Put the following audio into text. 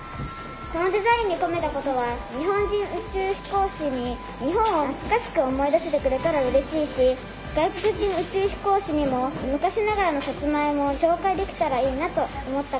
このデザインに込めたことは日本人宇宙飛行士に日本を懐かしく思い出してくれたらうれしいし外国人宇宙飛行士にも昔ながらのさつまいもを紹介できたらいいなと思ったことです。